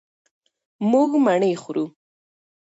مونږ مڼې خورو.